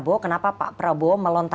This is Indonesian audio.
bahkan sekarang ada hal hal yang itu